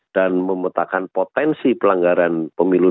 dan memetakan potensi pelanggaran pemilu